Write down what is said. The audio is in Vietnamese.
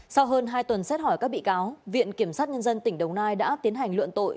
sau hơn hai tuần xét hỏi các bị cáo viện kiểm sát nhân dân tỉnh đồng nai đã tiến hành luận tội